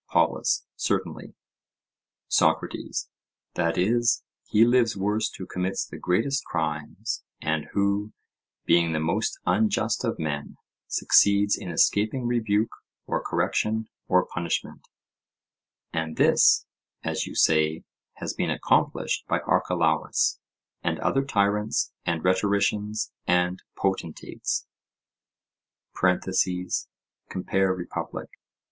POLUS: Certainly. SOCRATES: That is, he lives worst who commits the greatest crimes, and who, being the most unjust of men, succeeds in escaping rebuke or correction or punishment; and this, as you say, has been accomplished by Archelaus and other tyrants and rhetoricians and potentates? (Compare Republic.)